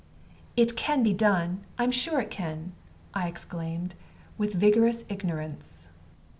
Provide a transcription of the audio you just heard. "It can be done I am sure it can," I exclaimed, with vigorous ignorance.